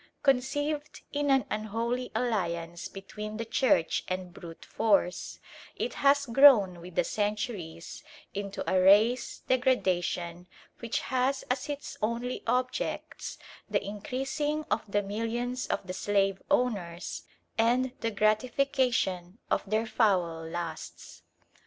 Conceived in an unholy alliance between the Church and brute force, it has grown with the centuries into a race degradation which has as its only objects the increasing of the millions of the slave owners and the gratification of their foul lusts.